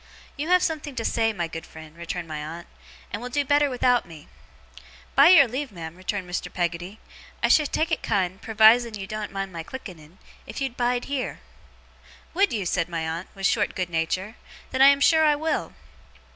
'You have something to say, my good friend,' returned my aunt, 'and will do better without me.' 'By your leave, ma'am,' returned Mr. Peggotty, 'I should take it kind, pervising you doen't mind my clicketten, if you'd bide heer.' 'Would you?' said my aunt, with short good nature. 'Then I am sure I will!